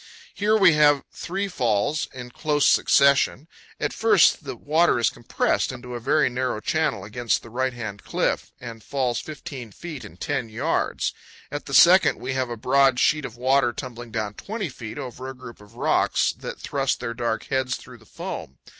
Here we have three falls in close succession. At the first the wa$er is compressed into a very narrow channel against the right hand cliff, and falls 15 feet in 10 yards. At the second we have a broad sheet of water tumbling down 20 feet over a group of rocks that thrust their dark heads through the foam.